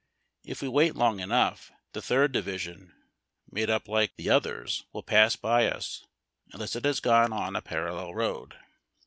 If we wait long enough, the Third Division, made up like the others, will pass by us, unless it has gone on a parallel road.